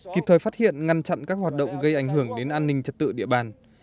kịp thời phát hiện ngăn chặn các hoạt động gây ảnh hưởng đến an ninh trật tự địa bàn